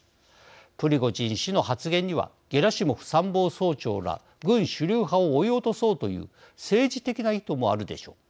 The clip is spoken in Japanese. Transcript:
プリゴジン氏の発言にはゲラシモフ参謀総長ら軍主流派を追い落とそうという政治的な意図もあるでしょう。